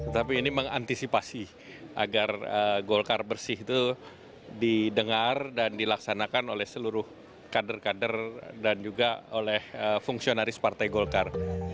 tapi ini mengantisipasi agar golkar bersih itu didengar dan dilaksanakan oleh seluruh kader kader dan juga oleh fungsionaris partai golkar